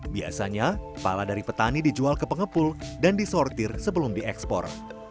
biasanya pala dari petani dijual ke pengepul dan disortir sebelum diekspor